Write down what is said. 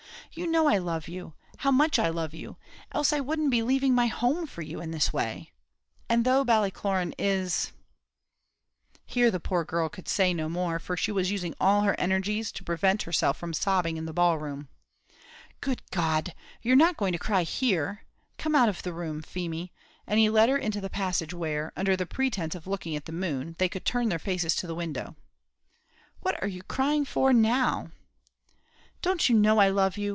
you know I love you how much I love you else I wouldn't be leaving my home for you this way! And though Ballycloran is " Here the poor girl could say no more; for she was using all her energies to prevent herself from sobbing in the ball room. "Good G d! you're not going to cry here; come out of the room, Feemy;" and he led her into the passage, where, under the pretence of looking at the moon, they could turn their faces to the window. "What are you crying for now?" "Don't you know I love you?